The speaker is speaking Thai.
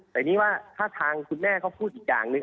แต่นี่ว่าถ้าทางคุณแม่เขาพูดอีกอย่างหนึ่ง